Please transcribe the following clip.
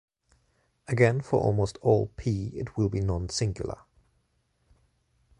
Again for almost all "p" it will be non-singular.